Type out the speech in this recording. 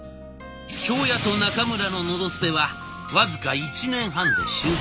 京谷と中村の「のどスペ」は僅か１年半で終売。